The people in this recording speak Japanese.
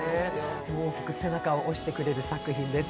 大きく背中を推してくれる作品です。